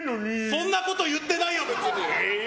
そんなこと言ってないよ、別に。